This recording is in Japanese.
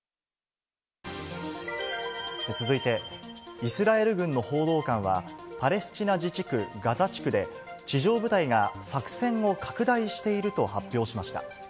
続いて、イスラエル軍の報道官は、パレスチナ自治区ガザ地区で、地上部隊が作戦を拡大していると発表しました。